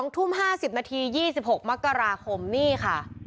๒ทุ่ม๕๐นาที๒๖มกราคมนี่ค่ะ